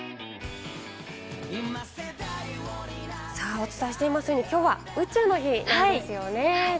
お伝えしていますように、きょうは宇宙の日なんですよね。